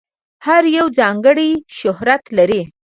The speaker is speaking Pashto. هر یو ځانګړی شهرت لري.